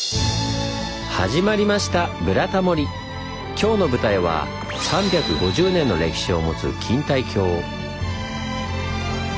今日の舞台は３５０年の歴史を持つ錦帯橋。